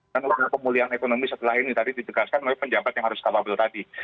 dan kemudian pemulihan ekonomi setelah ini tadi ditegaskan oleh penjabat yang harus kapabel tadi